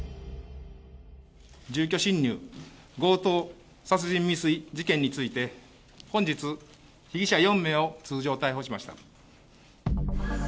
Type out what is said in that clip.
住居侵入・強盗殺人未遂事件について、本日、被疑者４名を通常逮捕しました。